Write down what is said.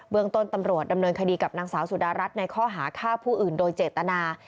เมืองต้นตำรวจดำเนินคดีกับนางสาวสุดารัฐในข้อหาฆ่าผู้อื่นโดยเจตนา